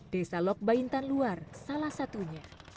desa lok baintan luar salah satunya